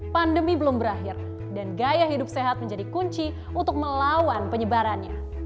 pandemi belum berakhir dan gaya hidup sehat menjadi kunci untuk melawan penyebarannya